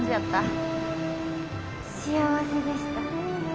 幸せでした。